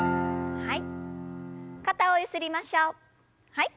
はい。